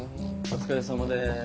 お疲れさまです。